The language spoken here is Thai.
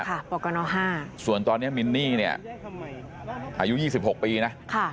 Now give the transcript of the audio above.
ค่ะปกนห้าส่วนตอนเนี้ยมินนี่เนี้ยอายุยี่สิบหกปีน่ะค่ะ